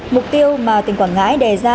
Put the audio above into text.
mục tiêu mà tỉnh quảng ngãi đề ra